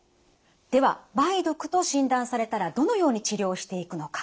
では梅毒と診断されたらどのように治療していくのか。